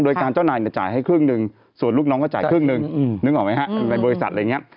โดยการเจ้านายเนี่ยจ่ายให้ครึ่งหนึ่งส่วนลูกน้องก็จ่ายครึ่งหนึ่งนึกออกไหมฮะในบริษัทอะไรอย่างนี้